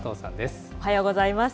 おはようございます。